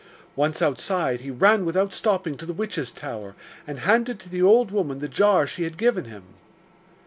Once outside, he ran without stopping to the witch's tower, and handed to the old woman the jar she had given him.